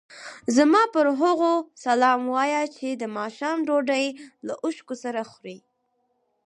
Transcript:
زما پر هغو سلام وایه چې د ماښام ډوډۍ له اوښکو سره خوري.